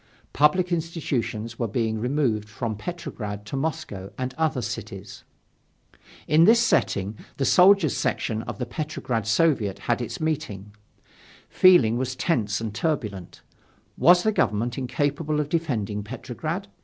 Public institutions were being removed from Petrograd to Moscow and other cities. In this setting, the Soldiers' section of the Petrograd Soviet had its meeting. Feeling was tense and turbulent, Was the Government incapable of defending Petrograd?